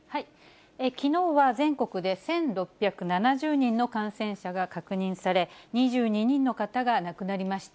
きのうは全国で１６７０人の感染者が確認され、２２人の方が亡くなりました。